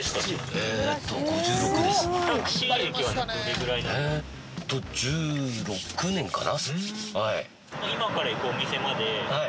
えっと１６年かな。